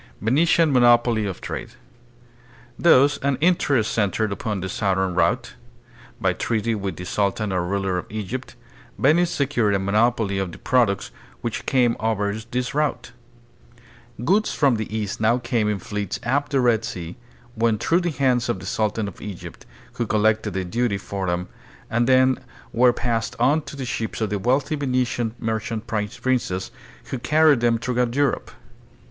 Venetian Monopoly of Trade. Thus all interest centered upon the southern route. By treaty with the sultan or ruler of Egypt, Venice secured a monopoly of the products which came over this route. Goods from the East now came in fleets up the Red Sea, went through the hands of the sultan of Egypt, who collected a duty for them, and then were passed on to the ships of the wealthy Venetian merchant princes, who carried them throughout Europe.